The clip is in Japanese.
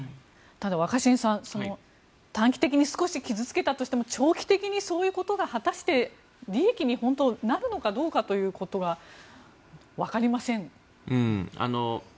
ただ、若新さん短期的に少し傷付けたとしても長期的にそういうことが果たして利益に、本当になるのかどうかということがわかりません。